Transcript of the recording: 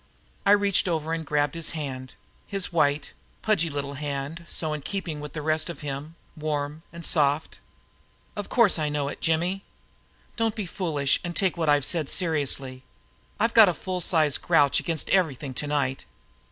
I reached over and grabbed his hand his white, pudgy little hand so in keeping with the rest of him warm and soft. "Of course I know it, Jimmy. Don't be foolish and take what I've said seriously. I've got a full sized grouch against everything tonight."